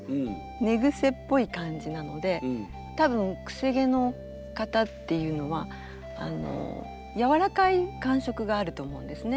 寝ぐせっぽい感じなので多分くせ毛の方っていうのはやわらかい感触があると思うんですね。